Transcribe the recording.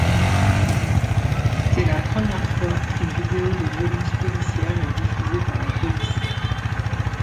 C'est la première fois qu'une vidéo de violences policières est diffusée par la police.